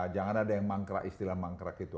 jangan ada yang mangkrak istilah mangkrak itu